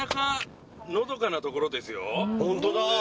ホントだ。